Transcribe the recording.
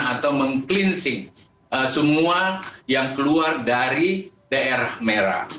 atau meng cleansing semua yang keluar dari daerah merah